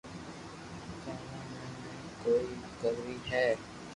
بارا ۾ بي ڪوئي ڪروو ھي